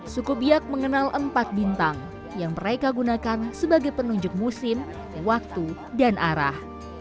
suku biak mengenal empat bintang yang mereka gunakan sebagai penunjuk musim waktu dan arah